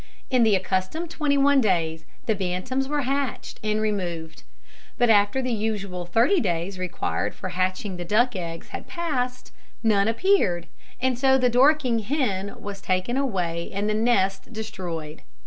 In the accustomed twenty one days the bantams were hatched and removed; but after the usual thirty days required for hatching the duck eggs had passed, none appeared, and so the Dorking hen was taken away and the nest destroyed.